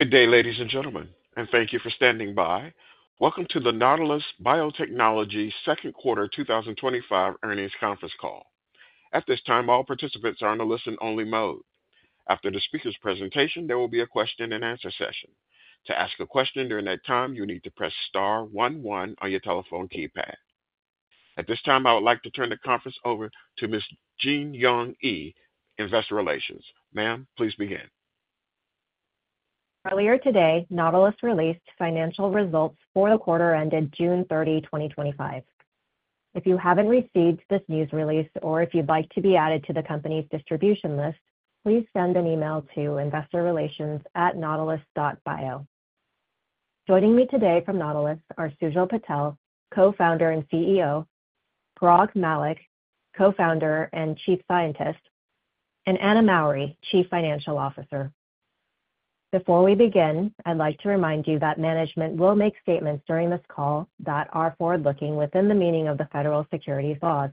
Good day, ladies and gentlemen, and thank you for standing by. Welcome to the Nautilus Biotechnology second quarter 2025 earnings conference call. At this time, all participants are in a listen-only mode. After the speaker's presentation, there will be a question and answer session. To ask a question during that time, you need to press star one one on your telephone keypad. At this time, I would like to turn the conference over to Ms. Ji-Yon Yi, Investor Relations. Ma'am, please begin. Earlier today, Nautilus released financial results for the quarter ended June 30, 2025. If you haven't received this news release or if you'd like to be added to the company's distribution list, please send an email to investorrelations@nautilus.bio. Joining me today from Nautilus are Sujal Patel, Co-Founder and CEO, Parag Mallick, Co-Founder and Chief Scientist, and Anna Mowry, Chief Financial Officer. Before we begin, I'd like to remind you that management will make statements during this call that are forward-looking within the meaning of the Federal Securities Laws.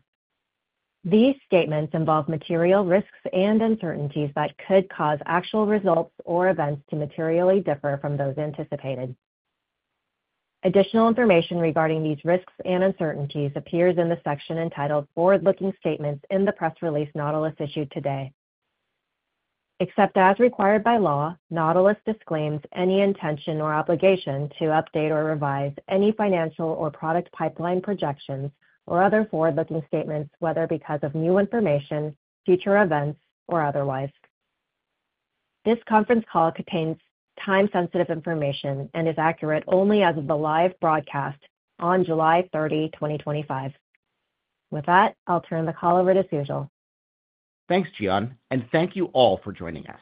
These statements involve material risks and uncertainties that could cause actual results or events to materially differ from those anticipated. Additional information regarding these risks and uncertainties appears in the section entitled "Forward-Looking Statements" in the press release Nautilus issued today. Except as required by law, Nautilus disclaims any intention or obligation to update or revise any financial or product pipeline projections or other forward-looking statements, whether because of new information, future events, or otherwise. This conference call contains time-sensitive information and is accurate only as of the live broadcast on July 30, 2025. With that, I'll turn the call over to Sujal. Thanks, Ji-Yon, and thank you all for joining us.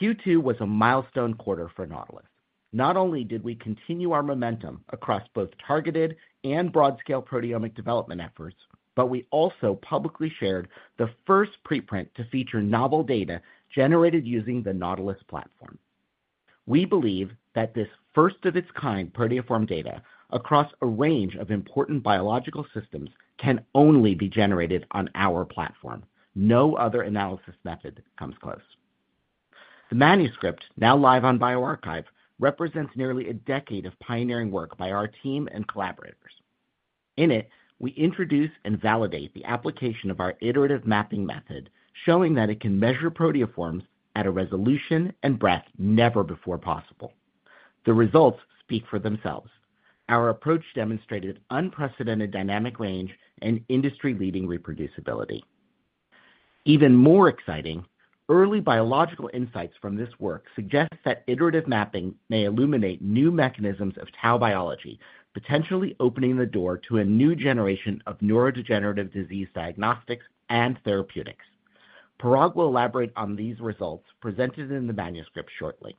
Q2 was a milestone quarter for Nautilus. Not only did we continue our momentum across both targeted and broad-scale proteomic development efforts, but we also publicly shared the first preprint to feature novel data generated using the Nautilus platform. We believe that this first-of-its-kind proteoform data across a range of important biological systems can only be generated on our platform. No other analysis method comes close. The manuscript, now live on bioRxiv, represents nearly a decade of pioneering work by our team and collaborators. In it, we introduce and validate the application of our iterative mapping method, showing that it can measure proteoforms at a resolution and breadth never before possible. The results speak for themselves. Our approach demonstrated unprecedented dynamic range and industry-leading reproducibility. Even more exciting, early biological insights from this work suggest that iterative mapping may illuminate new mechanisms of tau biology, potentially opening the door to a new generation of neurodegenerative disease diagnostics and therapeutics. Parag will elaborate on these results presented in the manuscript shortly.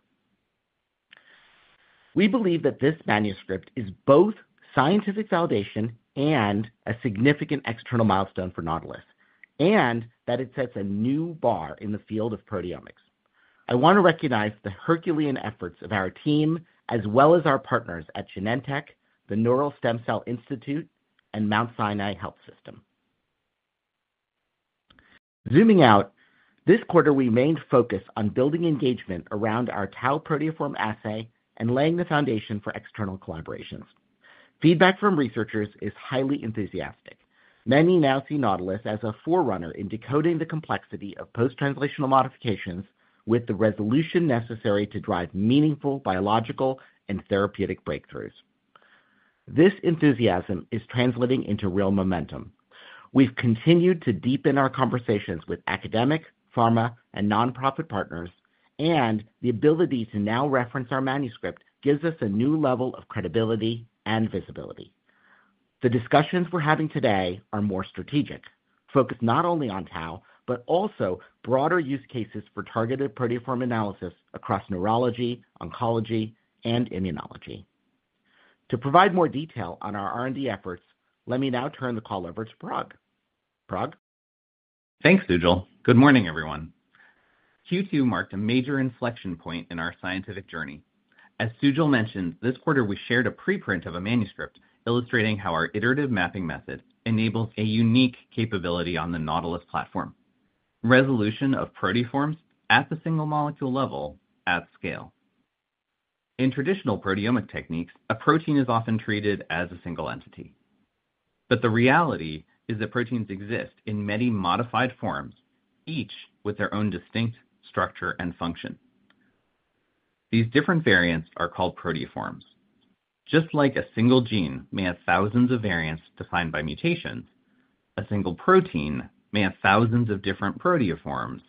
We believe that this manuscript is both scientific validation and a significant external milestone for Nautilus, and that it sets a new bar in the field of proteomics. I want to recognize the Herculean efforts of our team, as well as our partners at Genentech, the Neural Stem Cell Institute, and Mount Sinai Health System. Zooming out, this quarter we mainly focus on building engagement around our tau proteoform assay and laying the foundation for external collaborations. Feedback from researchers is highly enthusiastic. Many now see Nautilus as a forerunner in decoding the complexity of post-translational modifications with the resolution necessary to drive meaningful biological and therapeutic breakthroughs. This enthusiasm is translating into real momentum. We've continued to deepen our conversations with academic, pharma, and non-profit partners, and the ability to now reference our manuscript gives us a new level of credibility and visibility. The discussions we're having today are more strategic, focused not only on tau, but also broader use cases for targeted proteoform analysis across neurology, oncology, and immunology. To provide more detail on our R&D efforts, let me now turn the call over to Parag. Parag? Thanks, Sujal. Good morning, everyone. Q2 marked a major inflection point in our scientific journey. As Sujal mentioned, this quarter we shared a preprint of a manuscript illustrating how our iterative mapping method enables a unique capability on the Nautilus platform: resolution of proteoforms at the single molecule level at scale. In traditional proteomic techniques, a protein is often treated as a single entity. The reality is that proteins exist in many modified forms, each with their own distinct structure and function. These different variants are called proteoforms. Just like a single gene may have thousands of variants defined by mutation, a single protein may have thousands of different proteoforms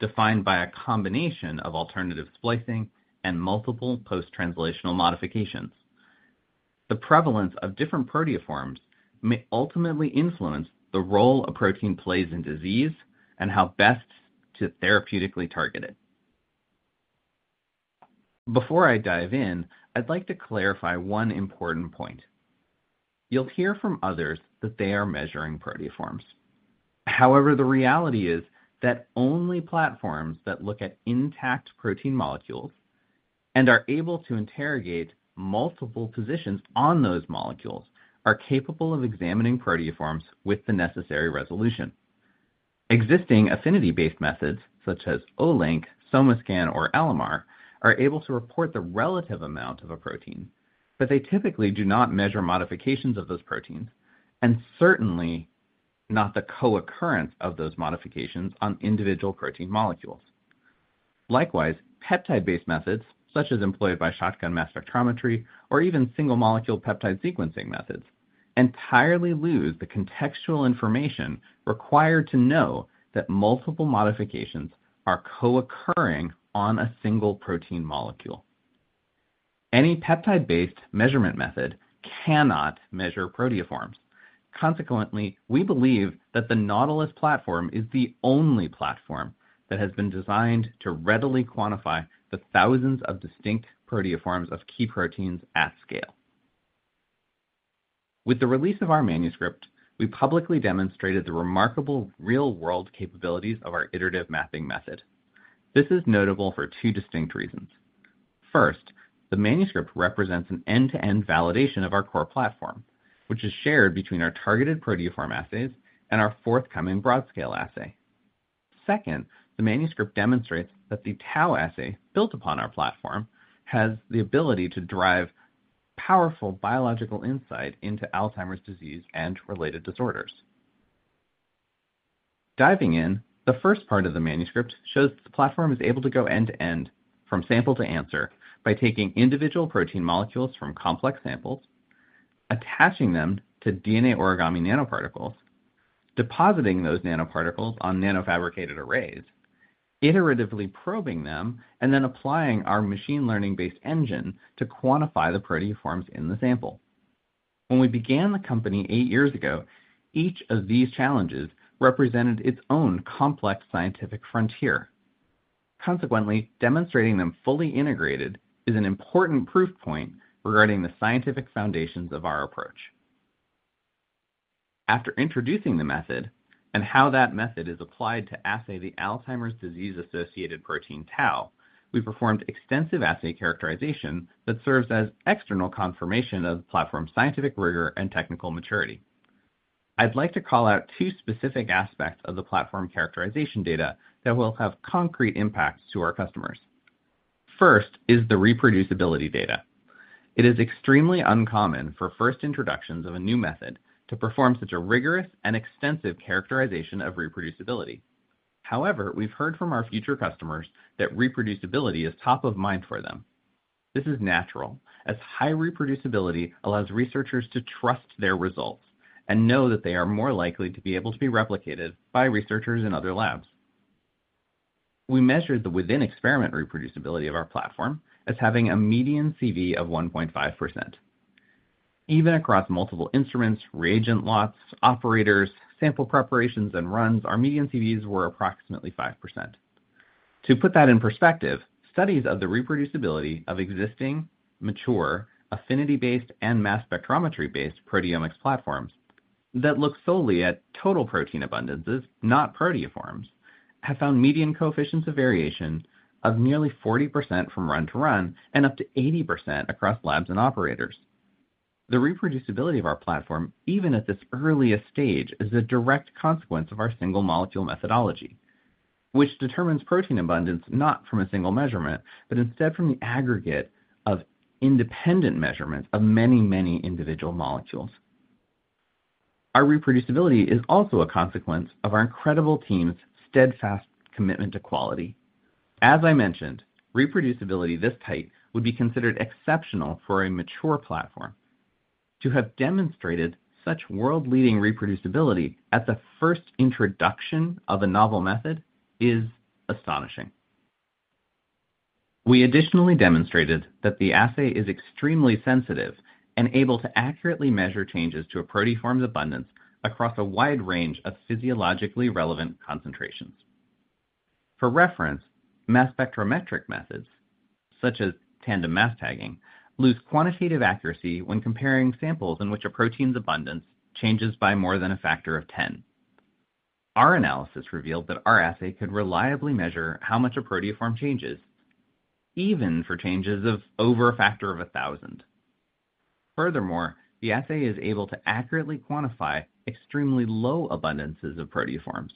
defined by a combination of alternative splicing and multiple post-translational modifications. The prevalence of different proteoforms may ultimately influence the role a protein plays in disease and how best to therapeutically target it. Before I dive in, I'd like to clarify one important point. You'll hear from others that they are measuring proteoforms. However, the reality is that only platforms that look at intact protein molecules and are able to interrogate multiple positions on those molecules are capable of examining proteoforms with the necessary resolution. Existing affinity-based methods, such as Olink, SomaScan, or LMR, are able to report the relative amount of a protein, but they typically do not measure modifications of those proteins, and certainly not the co-occurrence of those modifications on individual protein molecules. Likewise, peptide-based methods, such as employed by shotgun mass spectrometry or even single-molecule peptide sequencing methods, entirely lose the contextual information required to know that multiple modifications are co-occurring on a single protein molecule. Any peptide-based measurement method cannot measure proteoforms. Consequently, we believe that the Nautilus platform is the only platform that has been designed to readily quantify the thousands of distinct proteoforms of key proteins at scale. With the release of our manuscript, we publicly demonstrated the remarkable real-world capabilities of our iterative mapping method. This is notable for two distinct reasons. First, the manuscript represents an end-to-end validation of our core platform, which is shared between our targeted proteoform assays and our forthcoming broad-scale assay. Second, the manuscript demonstrates that the tau assay built upon our platform has the ability to drive powerful biological insight into Alzheimer's disease and related disorders. Diving in, the first part of the manuscript shows that the platform is able to go end-to-end from sample to answer by taking individual protein molecules from complex samples, attaching them to DNA origami nanoparticles, depositing those nanoparticles on nanofabricated arrays, iteratively probing them, and then applying our machine learning-based engine to quantify the proteoforms in the sample. When we began the company eight years ago, each of these challenges represented its own complex scientific frontier. Consequently, demonstrating them fully integrated is an important proof point regarding the scientific foundations of our approach. After introducing the method and how that method is applied to assay the Alzheimer's disease-associated protein tau, we performed extensive assay characterization that serves as external confirmation of the platform's scientific rigor and technical maturity. I'd like to call out two specific aspects of the platform characterization data that will have concrete impacts to our customers. First is the reproducibility data. It is extremely uncommon for first introductions of a new method to perform such a rigorous and extensive characterization of reproducibility. However, we've heard from our future customers that reproducibility is top of mind for them. This is natural, as high reproducibility allows researchers to trust their results and know that they are more likely to be able to be replicated by researchers in other labs. We measured the within-experiment reproducibility of our platform as having a median CV of 1.5%. Even across multiple instruments, reagent lots, operators, sample preparations, and runs, our median CVs were approximately 5%. To put that in perspective, studies of the reproducibility of existing, mature, affinity-based, and mass spectrometry-based proteomics platforms that look solely at total protein abundances, not proteoforms, have found median coefficients of variation of nearly 40% from run to run and up to 80% across labs and operators. The reproducibility of our platform, even at this earliest stage, is a direct consequence of our single-molecule methodology, which determines protein abundance not from a single measurement, but instead from the aggregate of independent measurements of many, many individual molecules. Our reproducibility is also a consequence of our incredible team's steadfast commitment to quality. As I mentioned, reproducibility this tight would be considered exceptional for a mature platform. To have demonstrated such world-leading reproducibility at the first introduction of a novel method is astonishing. We additionally demonstrated that the assay is extremely sensitive and able to accurately measure changes to a proteoform's abundance across a wide range of physiologically relevant concentrations. For reference, mass spectrometric methods, such as tandem mass tagging, lose quantitative accuracy when comparing samples in which a protein's abundance changes by more than a factor of 10. Our analysis revealed that our assay could reliably measure how much a proteoform changes, even for changes of over a factor of 1,000. Furthermore, the assay is able to accurately quantify extremely low abundances of proteoforms.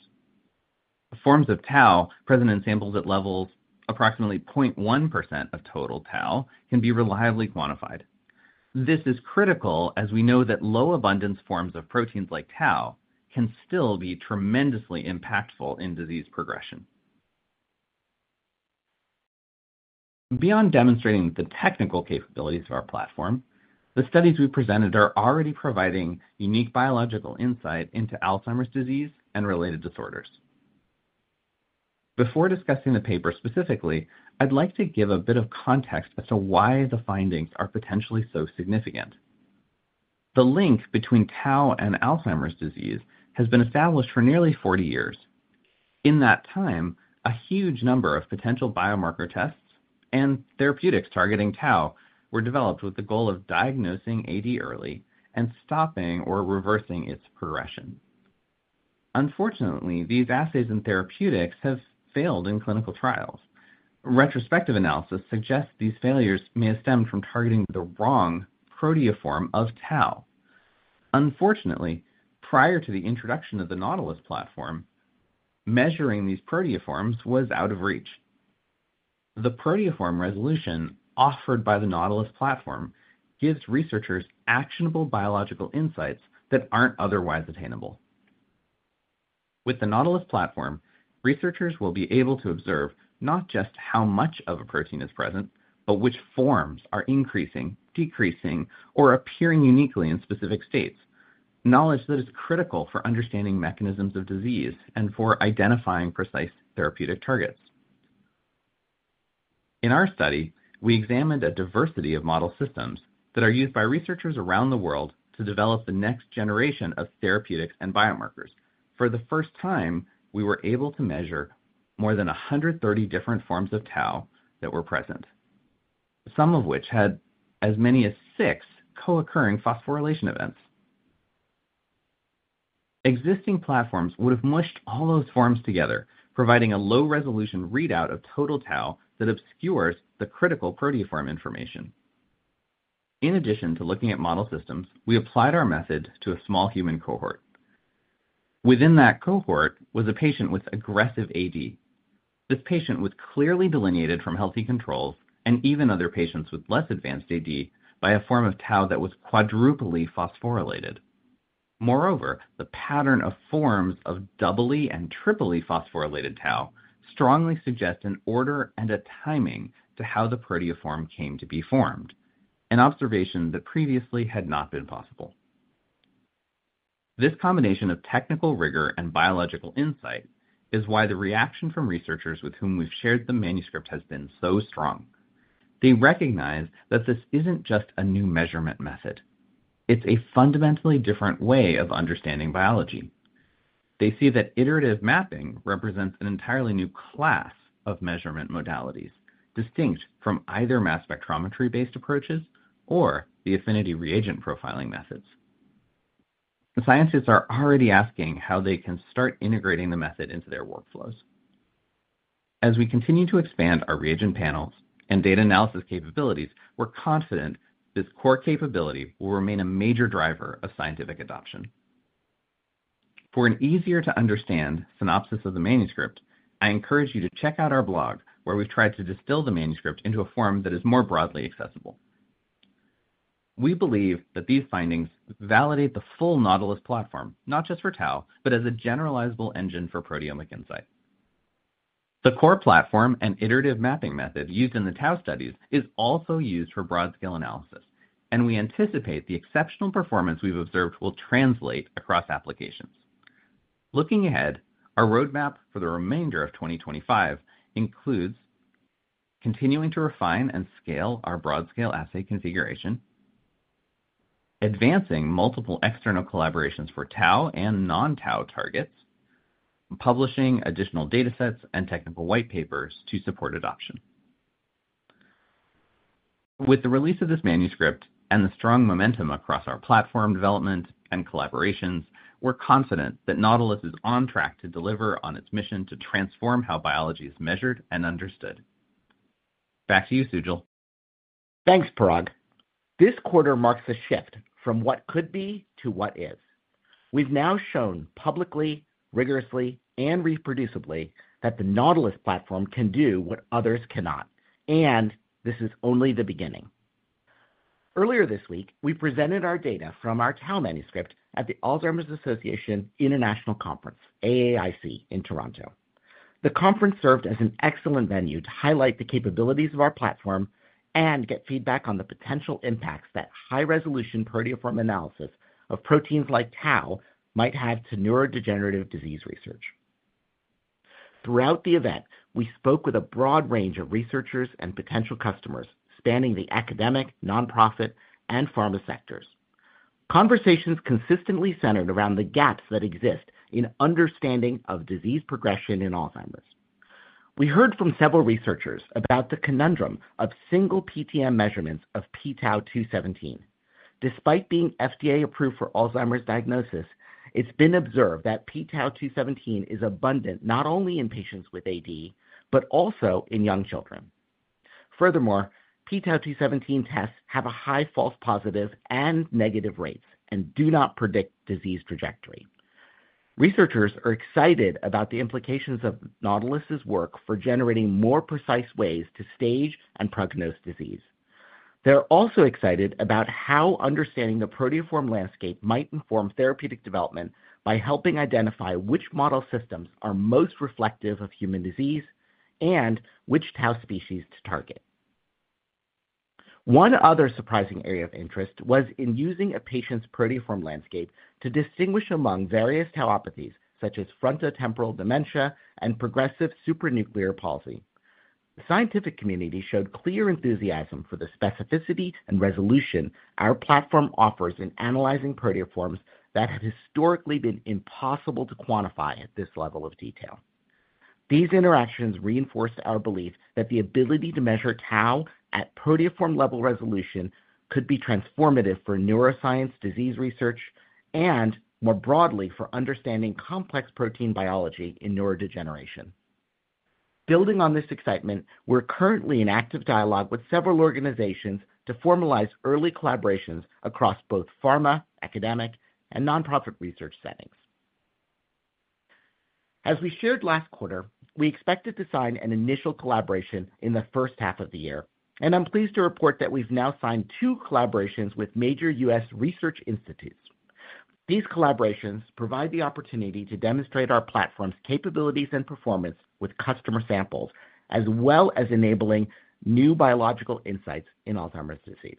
Forms of tau present in samples at levels approximately 0.1% of total tau can be reliably quantified. This is critical as we know that low abundance forms of proteins like tau can still be tremendously impactful in disease progression. Beyond demonstrating the technical capabilities of our platform, the studies we presented are already providing unique biological insight into Alzheimer's disease and related disorders. Before discussing the paper specifically, I'd like to give a bit of context as to why the findings are potentially so significant. The link between tau and Alzheimer's disease has been established for nearly 40 years. In that time, a huge number of potential biomarker tests and therapeutics targeting tau were developed with the goal of diagnosing AD early and stopping or reversing its progression. Unfortunately, these assays and therapeutics have failed in clinical trials. Retrospective analysis suggests these failures may have stemmed from targeting the wrong proteoform of tau. Unfortunately, prior to the introduction of the Nautilus platform, measuring these proteoforms was out of reach. The proteoform resolution offered by the Nautilus platform gives researchers actionable biological insights that aren't otherwise attainable. With the Nautilus platform, researchers will be able to observe not just how much of a protein is present, but which forms are increasing, decreasing, or appearing uniquely in specific states, knowledge that is critical for understanding mechanisms of disease and for identifying precise therapeutic targets. In our study, we examined a diversity of model systems that are used by researchers around the world to develop the next generation of therapeutics and biomarkers. For the first time, we were able to measure more than 130 different forms of tau that were present, some of which had as many as six co-occurring phosphorylation events. Existing platforms would have mushed all those forms together, providing a low-resolution readout of total tau that obscures the critical proteoform information. In addition to looking at model systems, we applied our method to a small human cohort. Within that cohort was a patient with aggressive AD. This patient was clearly delineated from healthy control and even other patients with less advanced AD by a form of tau that was quadruply phosphorylated. Moreover, the pattern of forms of doubly and triply phosphorylated tau strongly suggests an order and a timing to how the proteoform came to be formed, an observation that previously had not been possible. This combination of technical rigor and biological insight is why the reaction from researchers with whom we've shared the manuscript has been so strong. They recognize that this isn't just a new measurement method. It's a fundamentally different way of understanding biology. They see that iterative mapping represents an entirely new class of measurement modalities, distinct from either mass spectrometry-based approaches or the affinity reagent profiling methods. The scientists are already asking how they can start integrating the method into their workflows. As we continue to expand our reagent panels and data analysis capabilities, we're confident that its core capability will remain a major driver of scientific adoption. For an easier-to-understand synopsis of the manuscript, I encourage you to check out our blog, where we've tried to distill the manuscript into a form that is more broadly accessible. We believe that these findings validate the full Nautilus platform, not just for tau, but as a generalizable engine for proteomic insight. The core platform and iterative mapping method used in the tau studies is also used for broad-scale analysis, and we anticipate the exceptional performance we've observed will translate across applications. Looking ahead, our roadmap for the remainder of 2025 includes continuing to refine and scale our broad-scale assay configuration, advancing multiple external collaborations for tau and non-tau targets, and publishing additional datasets and technical white papers to support adoption. With the release of this manuscript and the strong momentum across our platform development and collaborations, we're confident that Nautilus is on track to deliver on its mission to transform how biology is measured and understood. Back to you, Sujal. Thanks, Parag. This quarter marks a shift from what could be to what is. We've now shown publicly, rigorously, and reproducibly that the Nautilus platform can do what others cannot, and this is only the beginning. Earlier this week, we presented our data from our tau manuscript at the Alzheimer's Association International Conference (AAIC) in Toronto. The conference served as an excellent venue to highlight the capabilities of our platform and get feedback on the potential impacts that high-resolution proteoform analysis of proteins like tau might have to neurodegenerative disease research. Throughout the event, we spoke with a broad range of researchers and potential customers spanning the academic, nonprofit, and pharma sectors. Conversations consistently centered around the gaps that exist in understanding of disease progression in Alzheimer's. We heard from several researchers about the conundrum of single PTM measurements of pTau217. Despite being FDA-approved for Alzheimer's diagnosis, it's been observed that pTau217 is abundant not only in patients with AD, but also in young children. Furthermore, pTau217 tests have high false positive and negative rates and do not predict disease trajectory. Researchers are excited about the implications of Nautilus's work for generating more precise ways to stage and prognose disease. They're also excited about how understanding the proteoform landscape might inform therapeutic development by helping identify which model systems are most reflective of human disease and which tau species to target. One other surprising area of interest was in using a patient's proteoform landscape to distinguish among various tauopathies, such as frontotemporal dementia and progressive supranuclear palsy. The scientific community showed clear enthusiasm for the specificity and resolution our platform offers in analyzing proteoforms that have historically been impossible to quantify at this level of detail. These interactions reinforced our belief that the ability to measure tau at proteoform-level resolution could be transformative for neuroscience disease research and, more broadly, for understanding complex protein biology in neurodegeneration. Building on this excitement, we're currently in active dialogue with several organizations to formalize early collaborations across both pharma, academic, and nonprofit research settings. As we shared last quarter, we expected to sign an initial collaboration in the first half of the year, and I'm pleased to report that we've now signed two collaborations with major U.S. research institutes. These collaborations provide the opportunity to demonstrate our platform's capabilities and performance with customer samples, as well as enabling new biological insights in Alzheimer's disease.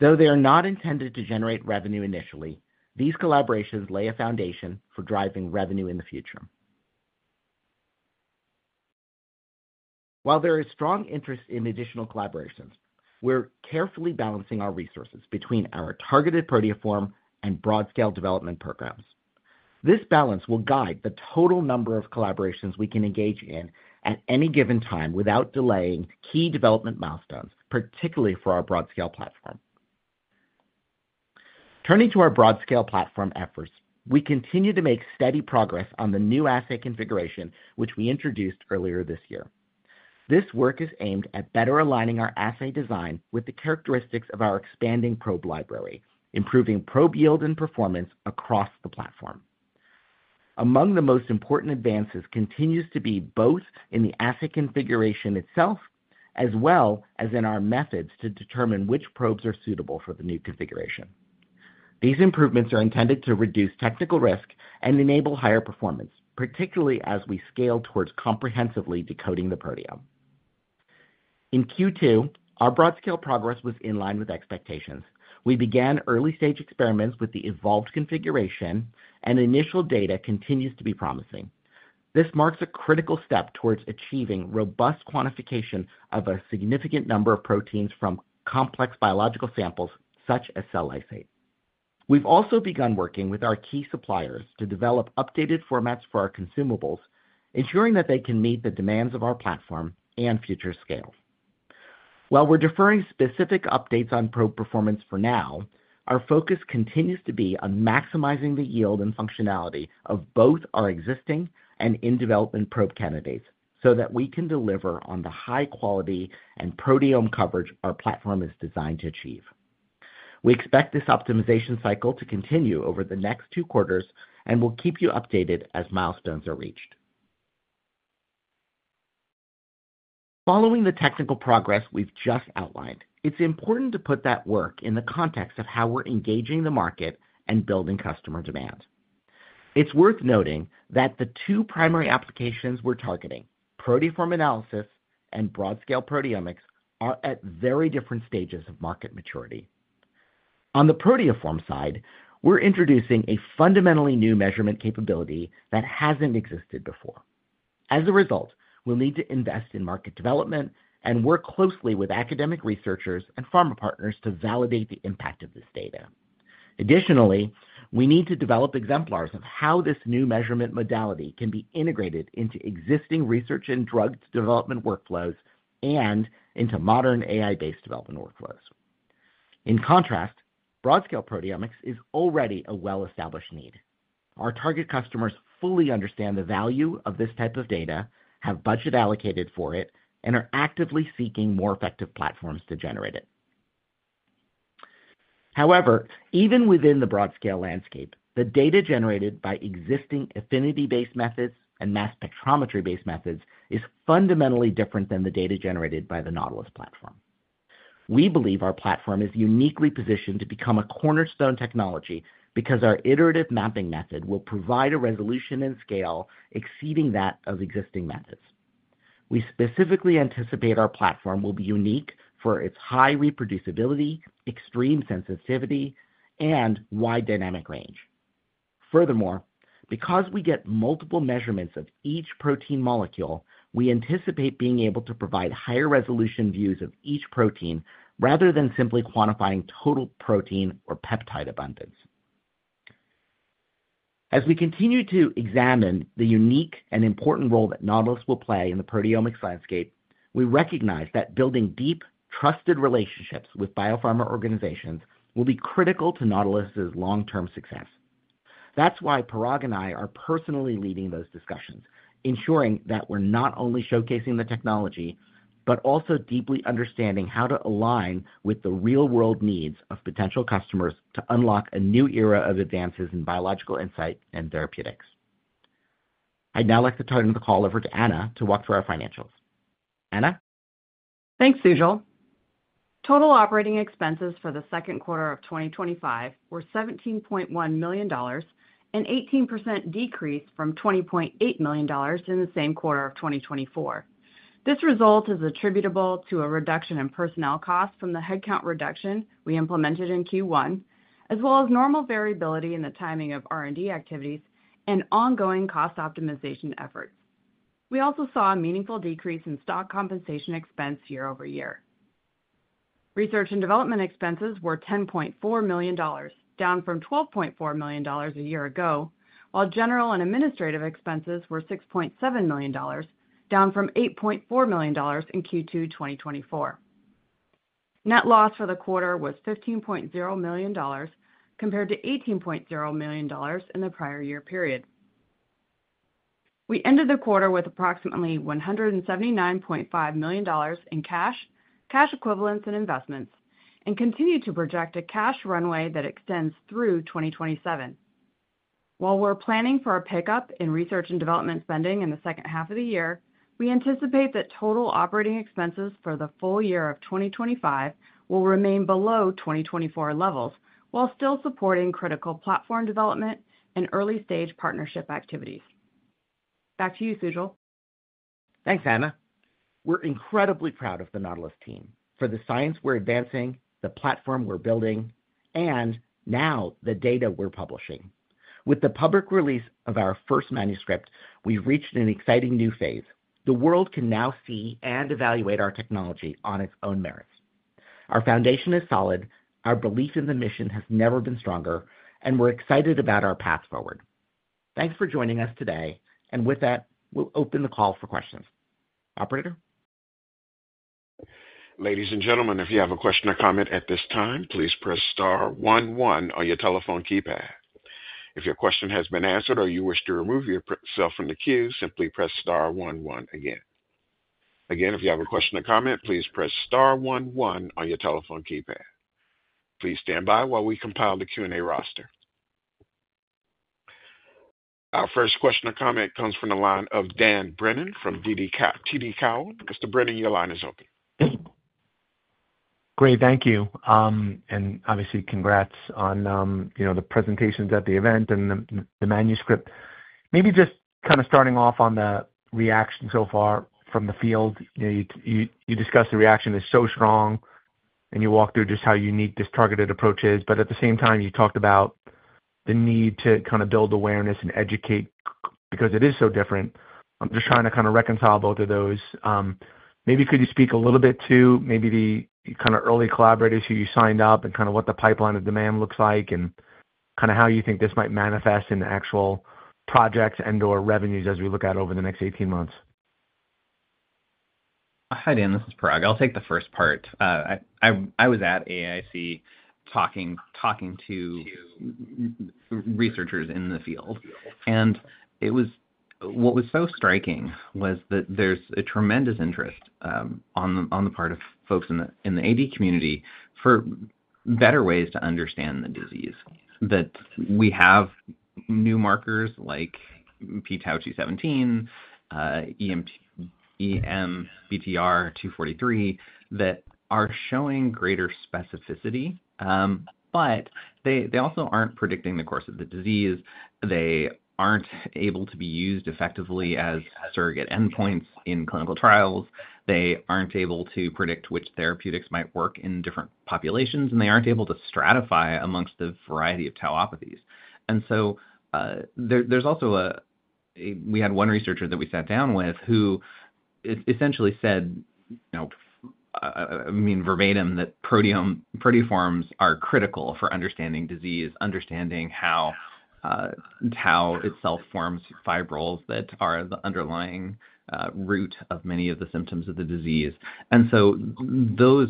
Though they are not intended to generate revenue initially, these collaborations lay a foundation for driving revenue in the future. While there is strong interest in additional collaborations, we're carefully balancing our resources between our targeted proteoform and broad-scale development programs. This balance will guide the total number of collaborations we can engage in at any given time without delaying key development milestones, particularly for our broad-scale platform. Turning to our broad-scale platform efforts, we continue to make steady progress on the new assay configuration, which we introduced earlier this year. This work is aimed at better aligning our assay design with the characteristics of our expanding probe library, improving probe yield and performance across the platform. Among the most important advances continue to be both in the assay configuration itself, as well as in our methods to determine which probes are suitable for the new configuration. These improvements are intended to reduce technical risk and enable higher performance, particularly as we scale towards comprehensively decoding the proteome. In Q2, our broad-scale progress was in line with expectations. We began early-stage experiments with the evolved configuration, and initial data continues to be promising. This marks a critical step towards achieving robust quantification of a significant number of proteins from complex biological samples such as cell lysate. We've also begun working with our key suppliers to develop updated formats for our consumables, ensuring that they can meet the demands of our platform and future scale. While we're deferring specific updates on probe performance for now, our focus continues to be on maximizing the yield and functionality of both our existing and in-development probe candidates so that we can deliver on the high quality and proteome coverage our platform is designed to achieve. We expect this optimization cycle to continue over the next two quarters and will keep you updated as milestones are reached. Following the technical progress we've just outlined, it's important to put that work in the context of how we're engaging the market and building customer demand. It's worth noting that the two primary applications we're targeting, proteoform analysis and broad-scale proteomics, are at very different stages of market maturity. On the proteoform side, we're introducing a fundamentally new measurement capability that hasn't existed before. As a result, we'll need to invest in market development and work closely with academic researchers and pharma partners to validate the impact of this data. Additionally, we need to develop exemplars of how this new measurement modality can be integrated into existing research and drug development workflows and into modern AI-based development workflows. In contrast, broad-scale proteomics is already a well-established need. Our target customers fully understand the value of this type of data, have budget allocated for it, and are actively seeking more effective platforms to generate it. However, even within the broad-scale landscape, the data generated by existing affinity-based methods and mass spectrometry-based methods is fundamentally different than the data generated by the Nautilus platform. We believe our platform is uniquely positioned to become a cornerstone technology because our iterative mapping method will provide a resolution and scale exceeding that of existing methods. We specifically anticipate our platform will be unique for its high reproducibility, extreme sensitivity, and wide dynamic range. Furthermore, because we get multiple measurements of each protein molecule, we anticipate being able to provide higher resolution views of each protein rather than simply quantifying total protein or peptide abundance. As we continue to examine the unique and important role that Nautilus will play in the proteomics landscape, we recognize that building deep, trusted relationships with biopharma organizations will be critical to Nautilus Biotechnology's long-term success. That's why Parag and I are personally leading those discussions, ensuring that we're not only showcasing the technology, but also deeply understanding how to align with the real-world needs of potential customers to unlock a new era of advances in biological insight and therapeutics. I'd now like to turn the call over to Anna to walk through our financials. Anna? Thanks, Sujal. Total operating expenses for the second quarter of 2025 were $17.1 million, an 18% decrease from $20.8 million in the same quarter of 2024. This result is attributable to a reduction in personnel cost from the headcount reduction we implemented in Q1, as well as normal variability in the timing of R&D activities and ongoing cost optimization efforts. We also saw a meaningful decrease in stock compensation expense year-over-year. Research and development expenses were $10.4 million, down from $12.4 million a year ago, while general and administrative expenses were $6.7 million, down from $8.4 million in Q2 2024. Net loss for the quarter was $15.0 million, compared to $18.0 million in the prior year period. We ended the quarter with approximately $179.5 million in cash, cash equivalents, and investments, and continue to project a cash runway that extends through 2027. While we're planning for a pickup in research and development spending in the second half of the year, we anticipate that total operating expenses for the full year of 2025 will remain below 2024 levels while still supporting critical platform development and early-stage partnership activities. Back to you, Sujal. Thanks, Anna. We're incredibly proud of the Nautilus team for the science we're advancing, the platform we're building, and now the data we're publishing. With the public release of our first manuscript, we've reached an exciting new phase. The world can now see and evaluate our technology on its own merits. Our foundation is solid, our belief in the mission has never been stronger, and we're excited about our path forward. Thanks for joining us today, and with that, we'll open the call for questions. Operator? Ladies and gentlemen, if you have a question or comment at this time, please press star one one on your telephone keypad. If your question has been answered or you wish to remove yourself from the queue, simply press star one one again. Again, if you have a question or comment, please press star one one on your telephone keypad. Please stand by while we compile the Q&A roster. Our first question or comment comes from the line of Dan Brennan from TD Cowen. Mr. Brennan, your line is open. Great, thank you. Obviously, congrats on the presentations at the event and the manuscript. Maybe just kind of starting off on the reaction so far from the field. You discussed the reaction is so strong, and you walked through just how unique this targeted approach is. At the same time, you talked about the need to kind of build awareness and educate because it is so different. I'm just trying to kind of reconcile both of those. Maybe could you speak a little bit to maybe the kind of early collaborators who you signed up and kind of what the pipeline of demand looks like and kind of how you think this might manifest in the actual projects and/or revenues as we look at over the next 18 months? Hi, Dan. This is Parag. I'll take the first part. I was at the AAIC talking to researchers in the field. What was so striking was that there's a tremendous interest on the part of folks in the AD community for better ways to understand the disease. We have new markers like pTau217, eMBTR-243 that are showing greater specificity, but they also aren't predicting the course of the disease. They aren't able to be used effectively as surrogate endpoints in clinical trials. They aren't able to predict which therapeutics might work in different populations, and they aren't able to stratify amongst the variety of tauopathies. We had one researcher that we sat down with who essentially said, I mean verbatim, that proteoforms are critical for understanding disease, understanding how tau itself forms fibrils that are the underlying root of many of the symptoms of the disease. Those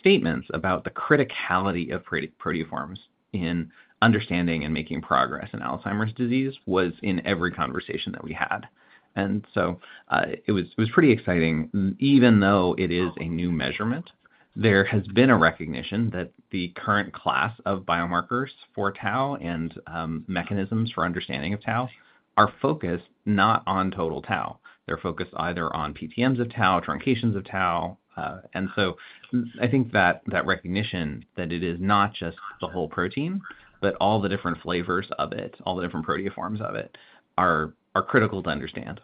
statements about the criticality of proteoforms in understanding and making progress in Alzheimer's disease were in every conversation that we had. It was pretty exciting. Even though it is a new measurement, there has been a recognition that the current class of biomarkers for tau and mechanisms for understanding of tau are focused not on total tau. They're focused either on PTMs of tau, truncations of tau. I think that recognition that it is not just the whole protein, but all the different flavors of it, all the different proteoforms of it are critical to understand.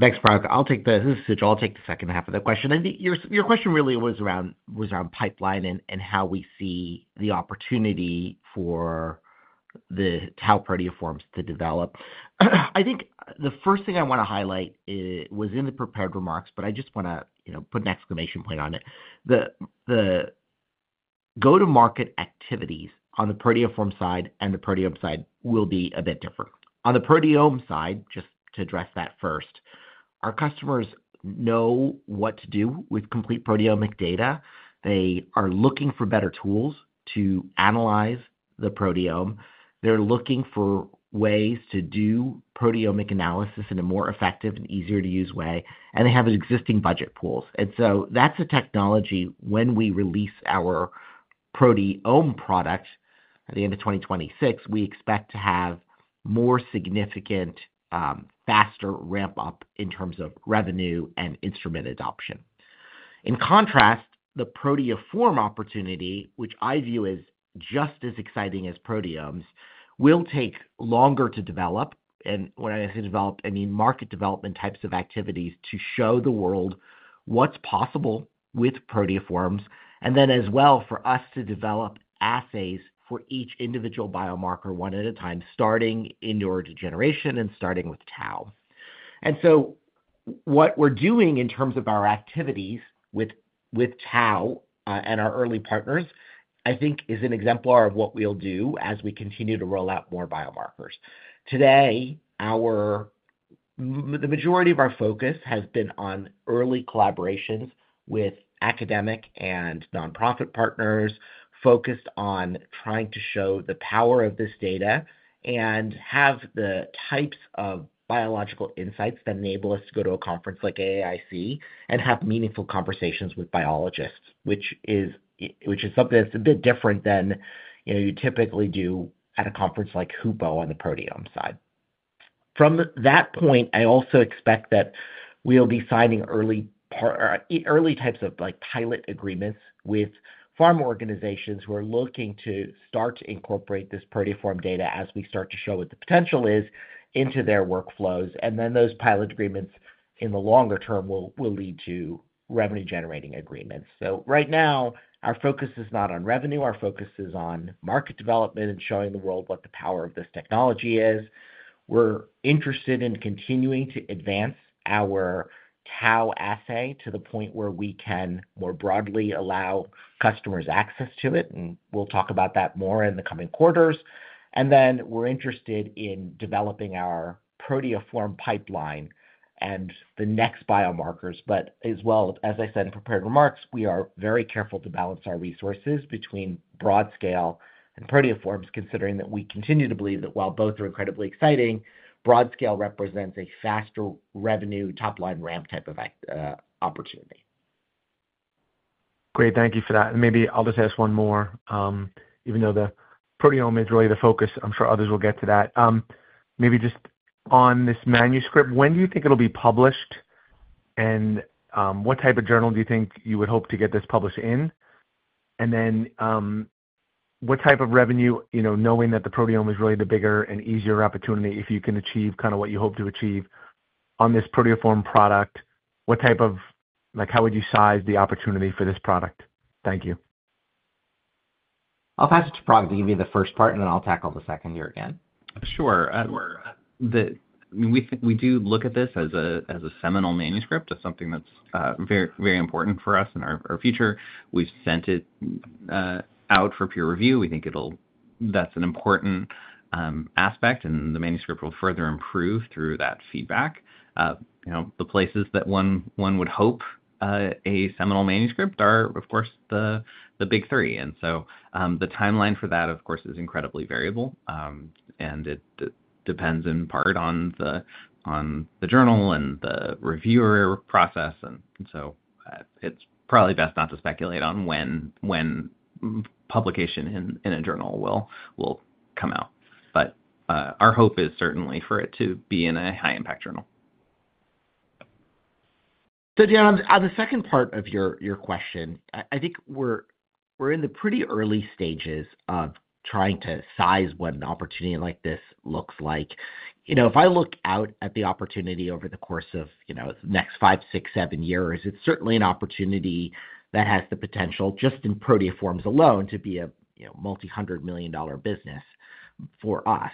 Thanks, Parag. I'll take this. This is Sujal. I'll take the second half of the question. I think your question really was around pipeline and how we see the opportunity for the tau proteoforms to develop. I think the first thing I want to highlight was in the prepared remarks, but I just want to put an exclamation point on it. The go-to-market activities on the proteoform side and the proteome side will be a bit different. On the proteome side, just to address that first, our customers know what to do with complete proteomic data. They are looking for better tools to analyze the proteome. They're looking for ways to do proteomic analysis in a more effective and easier-to-use way, and they have existing budget pools. That's a technology when we release our proteome product at the end of 2026, we expect to have more significant, faster ramp-up in terms of revenue and instrument adoption. In contrast, the proteoform opportunity, which I view as just as exciting as proteomes, will take longer to develop. When I say develop, I mean market development types of activities to show the world what's possible with proteoforms, and then as well for us to develop assays for each individual biomarker one at a time, starting in neurodegeneration and starting with tau. What we're doing in terms of our activities with tau and our early partners, I think, is an exemplar of what we'll do as we continue to roll out more biomarkers. Today, the majority of our focus has been on early collaborations with academic and nonprofit partners focused on trying to show the power of this data and have the types of biological insights that enable us to go to a conference like AAIC and have meaningful conversations with biologists, which is something that's a bit different than you typically do at a conference like HUPO on the proteome side. From that point, I also expect that we'll be signing early types of pilot agreements with pharma organizations who are looking to start to incorporate this proteoform data as we start to show what the potential is into their workflows. Those pilot agreements in the longer term will lead to revenue-generating agreements. Right now, our focus is not on revenue. Our focus is on market development and showing the world what the power of this technology is. We're interested in continuing to advance our tau assay to the point where we can more broadly allow customers access to it. We'll talk about that more in the coming quarters. We're interested in developing our proteoform pipeline and the next biomarkers. As I said in prepared remarks, we are very careful to balance our resources between broad-scale and proteoforms, considering that we continue to believe that while both are incredibly exciting, broad-scale represents a faster revenue top-line ramp type of opportunity. Great. Thank you for that. Maybe I'll just ask one more, even though the proteome is really the focus, I'm sure others will get to that. Maybe just on this manuscript, when do you think it'll be published? What type of journal do you think you would hope to get this published in? What type of revenue, knowing that the proteome is really the bigger and easier opportunity, if you can achieve kind of what you hope to achieve on this proteoform product, how would you size the opportunity for this product? Thank you. I'll pass it to Parag to give you the first part, and then I'll tackle the second here again. Sure. We do look at this as a seminal manuscript, as something that's very, very important for us in our future. We've sent it out for peer review. We think that's an important aspect, and the manuscript will further improve through that feedback. The places that one would hope a seminal manuscript are, of course, the big three. The timeline for that, of course, is incredibly variable, and it depends in part on the journal and the reviewer process. It's probably best not to speculate on when publication in a journal will come out. Our hope is certainly for it to be in a high-impact journal. On the second part of your question, I think we're in the pretty early stages of trying to size what an opportunity like this looks like. If I look out at the opportunity over the course of the next five, six, seven years, it's certainly an opportunity that has the potential, just in proteoforms alone, to be a multi-hundred million dollar business for us.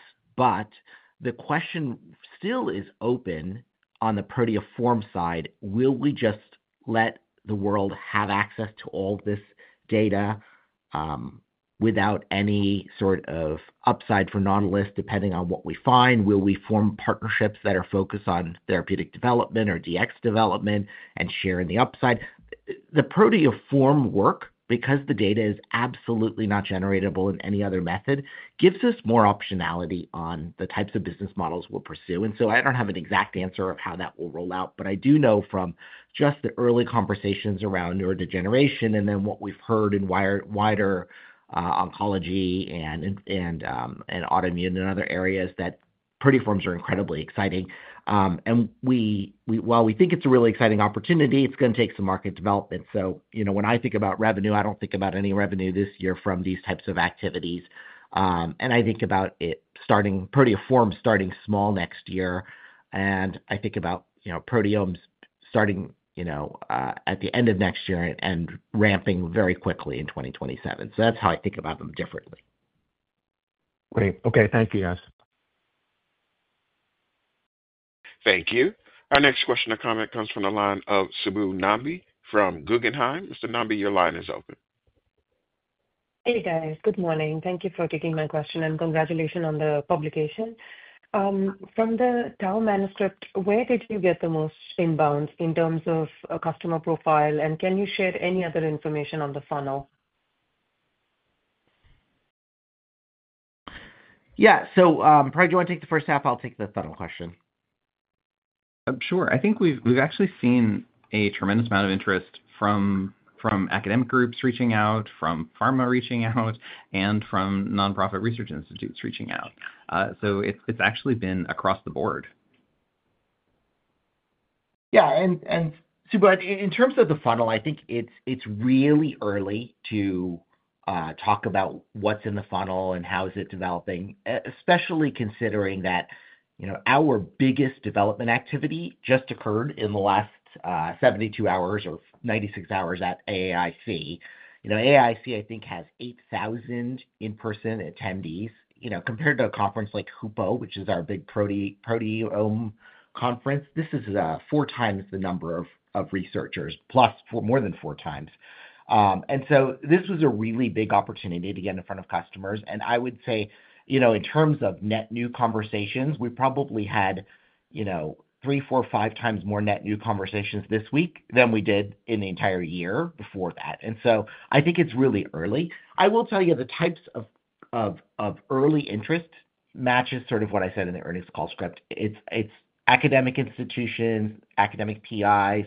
The question still is open on the proteoform side. Will we just let the world have access to all this data without any sort of upside for Nautilus, depending on what we find? Will we form partnerships that are focused on therapeutic development or DX development and share in the upside? The proteoform work, because the data is absolutely not generatable in any other method, gives us more optionality on the types of business models we'll pursue. I don't have an exact answer of how that will roll out, but I do know from just the early conversations around neurodegeneration and then what we've heard in wider oncology and autoimmune and other areas that proteoforms are incredibly exciting. While we think it's a really exciting opportunity, it's going to take some market development. When I think about revenue, I don't think about any revenue this year from these types of activities. I think about proteoforms starting small next year, and I think about proteomes starting at the end of next year and ramping very quickly in 2027. That's how I think about them differently. Great. OK, thank you, guys. Thank you. Our next question or comment comes from the line of Subbu Nambi from Guggenheim. Mr. Nambi, your line is open. Hey, guys. Good morning. Thank you for taking my question and congratulations on the publication. From the tau manuscript, where did you get the most inbounds in terms of a customer profile? Can you share any other information on the funnel? Yeah, Parag, you want to take the first half? I'll take the funnel question. I think we've actually seen a tremendous amount of interest from academic groups reaching out, from pharma reaching out, and from nonprofit research institutes reaching out. It's actually been across the board. Yeah, and Sujal, in terms of the funnel, I think it's really early to talk about what's in the funnel and how it is developing, especially considering that our biggest development activity just occurred in the last 72 hours or 96 hours at the AAIC. The AAIC, I think, has 8,000 in-person attendees compared to a conference like HUPO, which is our big proteome conference. This is four times the number of researchers, plus more than 4x. This was a really big opportunity to get in front of customers. I would say, in terms of net new conversations, we probably had 3x, 4x, 5x more net new conversations this week than we did in the entire year before that. I think it's really early. I will tell you the types of early interest match sort of what I said in the earliest call script. It's academic institutions, academic PIs,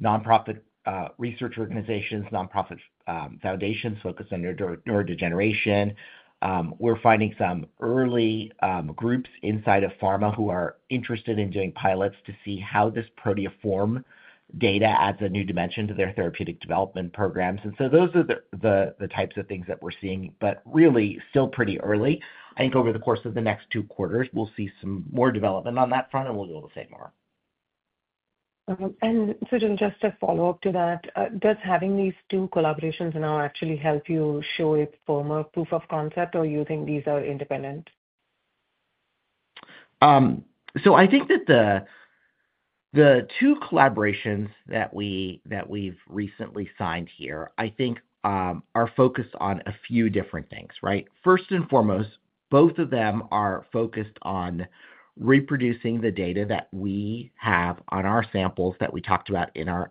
nonprofit research organizations, nonprofit foundations focused on neurodegeneration. We are finding some early groups inside of pharma who are interested in doing pilots to see how this proteoform data adds a new dimension to their therapeutic development programs. Those are the types of things that we're seeing, but really still pretty early. I think over the course of the next two quarters, we'll see some more development on that front, and we'll be able to say more. Sujal, just a follow-up to that. Does having these two collaborations now actually help you show a former proof of concept, or do you think these are independent? I think that the two collaborations that we've recently signed here are focused on a few different things, right? First and foremost, both of them are focused on reproducing the data that we have on our samples that we talked about in our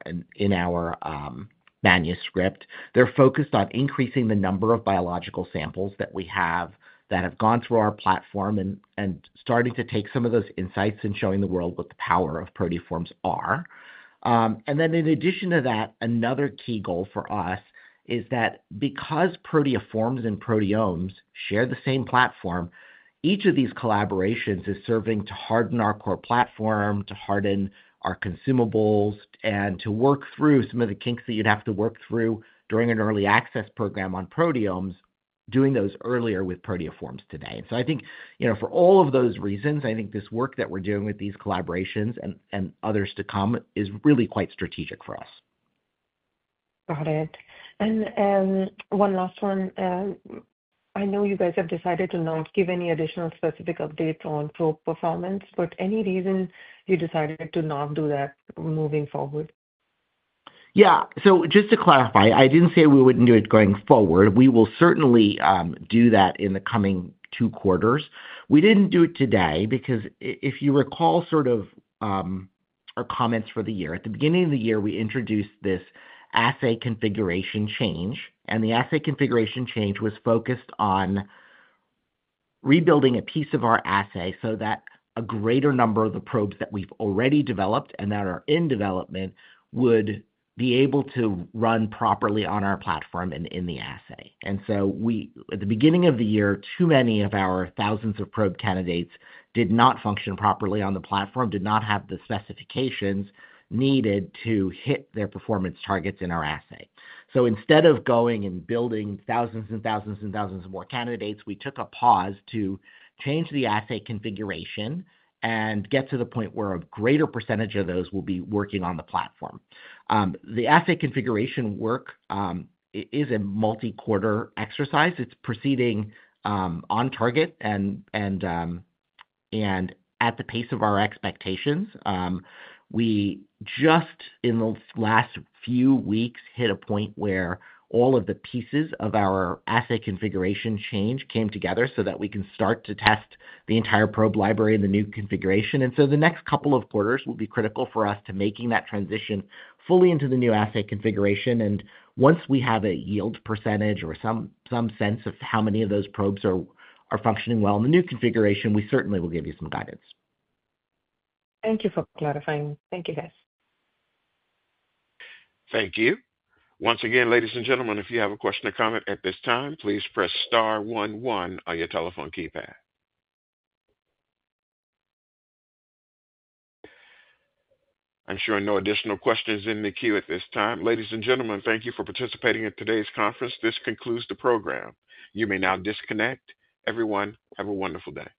manuscript. They're focused on increasing the number of biological samples that we have that have gone through our platform and starting to take some of those insights and showing the world what the power of proteoforms are. In addition to that, another key goal for us is that because proteoforms and proteomes share the same platform, each of these collaborations is serving to harden our core platform, to harden our consumables, and to work through some of the kinks that you'd have to work through during an early access program on proteomes, doing those earlier with proteoforms today. I think for all of those reasons, this work that we're doing with these collaborations and others to come is really quite strategic for us. Got it. One last one. I know you guys have decided to not give any additional specific updates on proof of performance. Any reason you decided to not do that moving forward? Yeah, just to clarify, I didn't say we wouldn't do it going forward. We will certainly do that in the coming two quarters. We didn't do it today because, if you recall, our comments for the year at the beginning of the year, we introduced this assay configuration change, and the assay configuration change was focused on rebuilding a piece of our assay so that a greater number of the probes that we've already developed and that are in development would be able to run properly on our platform and in the assay. At the beginning of the year, too many of our thousands of probe candidates did not function properly on the platform, did not have the specifications needed to hit their performance targets in our assay. Instead of going and building thousands and thousands and thousands of more candidates, we took a pause to change the assay configuration and get to the point where a greater percentage of those will be working on the platform. The assay configuration work is a multi-quarter exercise. It's proceeding on target and at the pace of our expectations. In the last few weeks, we hit a point where all of the pieces of our assay configuration change came together so that we can start to test the entire probe library in the new configuration. The next couple of quarters will be critical for us to making that transition fully into the new assay configuration. Once we have a yield percentage or some sense of how many of those probes are functioning well in the new configuration, we certainly will give you some guidance. Thank you for clarifying. Thank you, guys. Thank you. Once again, ladies and gentlemen, if you have a question or comment at this time, please press star one one on your telephone keypad. I'm showing no additional questions in the queue at this time. Ladies and gentlemen, thank you for participating in today's conference. This concludes the program. You may now disconnect. Everyone, have a wonderful day.